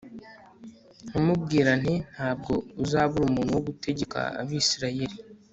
nkamubwira nti ntabwo uzabura umuntu wo gutegeka abisirayeli